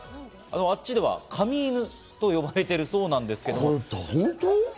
あっちでは紙犬と呼ばれているそうなんですが、これ、本当？